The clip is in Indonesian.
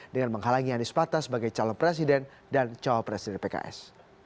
dengan menghalangi anis patah sebagai calon presiden dan cowok presiden pks